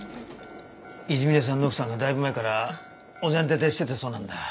泉田さんの奥さんがだいぶ前からお膳立てしてたそうなんだ。